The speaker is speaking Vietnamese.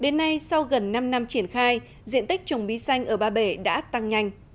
đến nay sau gần năm năm triển khai diện tích trồng bí xanh ở ba bể đã tăng nhanh